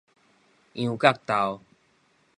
羊角豆